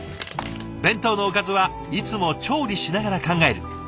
弁当のおかずはいつも調理しながら考える。